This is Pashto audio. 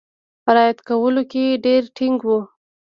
رعایت کولو کې ډېر ټینګ وو.